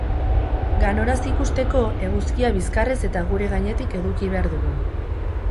Ganoraz ikusteko, eguzkia bizkarrez eta gure gainetik eduki behar dugu.